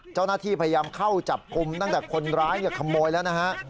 เจ้าหน้าที่พยายามเข้าจับกลุ่มตั้งแต่คนร้ายขโมยแล้วนะฮะ